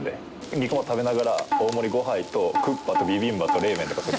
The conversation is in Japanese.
肉を食べながら大盛りごはんと、クッパとビビンバと冷麺とか。